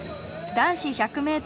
男子１００ｍ